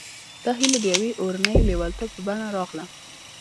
دا هيله د يوې اورنۍ لېوالتيا په بڼه راغله.